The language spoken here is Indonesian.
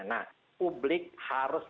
nah publik harus